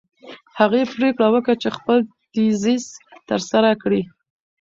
هغې پرېکړه وکړه چې خپل تیزیس ترسره کړي.